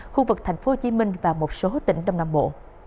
khu vực tp hcm và một số tỉnh đông nam bộ